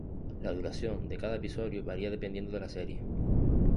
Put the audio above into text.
La duración de cada episodio varía dependiendo de la serie.